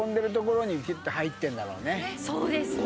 そうですね。